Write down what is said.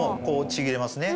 ちぎれますね。